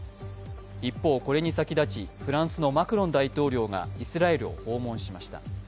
一方、これに先立ちフランスのマクロン大統領がイスラエルを訪問しました。